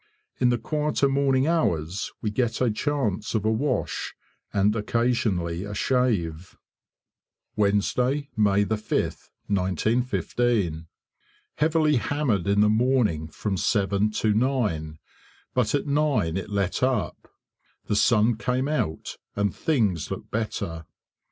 In the quieter morning hours we get a chance of a wash and occasionally a shave. Wednesday, May 5th, 1915. Heavily hammered in the morning from 7 to 9, but at 9 it let up; the sun came out and things looked better.